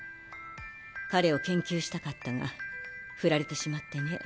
彼を研究したかったがフラれてしまってね。